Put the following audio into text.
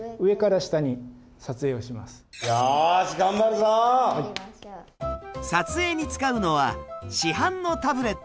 撮影に使うのは市販のタブレット。